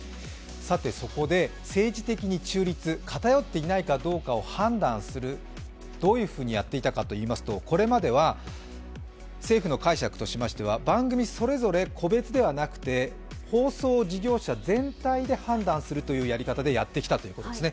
さて、そこで政治的に中立偏っていないか判断するにはどういうふうにやっていたかといいますと、これまでは政府の解釈としましては番組それぞれ個別ではなくて放送事業者全体で判断するというやり方でやってきたということですね。